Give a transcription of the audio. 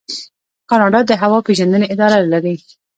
کاناډا د هوا پیژندنې اداره لري.